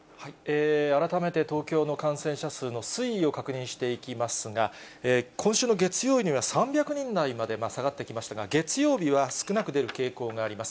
改めて東京の感染者数の推移を確認していきますが、今週の月曜には３００人台まで下がってきましたが、月曜日は少なく出る傾向があります。